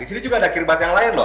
di sini juga ada kirbat yang lain loh